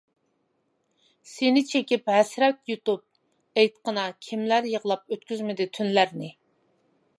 سېنى چېكىپ ھەسرەت يۇتۇپ، ئېيتقىنا، كىملەر يىغلاپ ئۆتكۈزمىدى تۈنلەرنى.